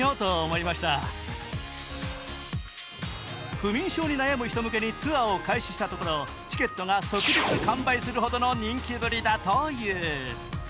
不眠症に悩む人向けにツアーを開始したところチケットが即日完売するほどの人気ぶりだという。